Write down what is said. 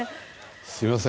すみません。